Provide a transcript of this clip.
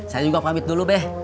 saya juga pamit dulu deh